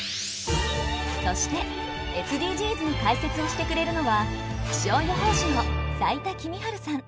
そしてＳＤＧｓに解説をしてくれるのは気象予報士の斉田季実治さん。